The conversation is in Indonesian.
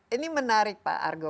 ini menarik pak argo